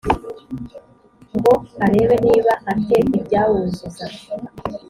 ngo arebe niba a te ibyawuzuza